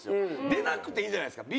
出なくていいじゃないですか。